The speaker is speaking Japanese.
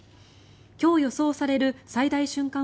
今日予想される最大瞬間